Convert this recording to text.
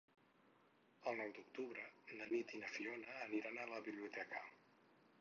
El nou d'octubre na Nit i na Fiona aniran a la biblioteca.